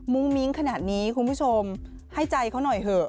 มิ้งขนาดนี้คุณผู้ชมให้ใจเขาหน่อยเถอะ